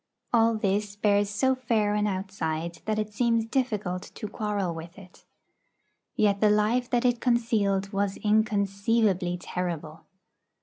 All this bears so fair an outside that it seems difficult to quarrel with it. Yet the life that it concealed was inconceivably terrible.